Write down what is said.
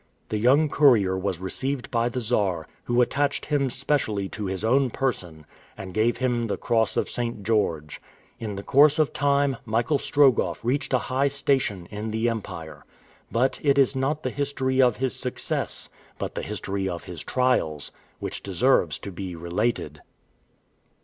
The young courier was received by the Czar, who attached him specially to his own person, and gave him the Cross of St. George. In the course of time, Michael Strogoff reached a high station in the Empire. But it is not the history of his success, but the history of his trials, which deserves to be related.